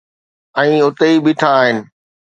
۽ اتي ئي بيٺا آهن.